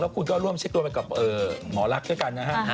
แล้วคุณก็ล่วมเช็คดวงไปกับหมอรัฐด้วยกันนะฮะ